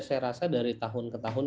saya rasa dari tahun ke tahun